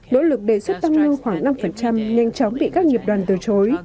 nỗ lực đề xuất tăng lương khoảng năm nhanh chóng bị các nghiệp đoàn từ chối